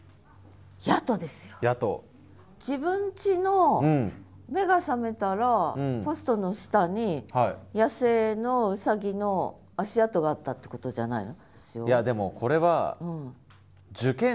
自分ちの目が覚めたらポストの下に野生のうさぎの足跡があったってことじゃないの？